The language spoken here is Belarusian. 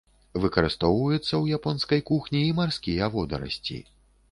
Выкарыстоўваюцца ў японскай кухні і марскія водарасці.